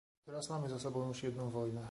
Teraz mamy za sobą już jedną wojnę